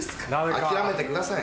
諦めてください。